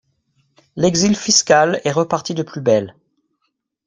L’exil fiscal est reparti de plus belle.